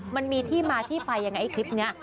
มันมีที่มาที่ไปยังไงไอ้คลิปนี้